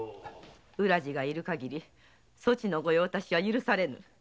浦路がいるかぎりそちの御用達は許されぬ。